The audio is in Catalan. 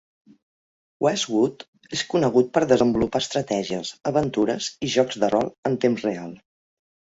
Westwood és conegut per desenvolupar estratègies, aventures i jocs de rol en temps real.